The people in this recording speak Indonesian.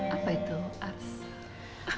apa itu arsa